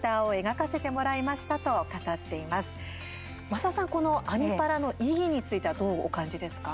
増田さん、この「アニ×パラ」の意義についてはどうお感じですか。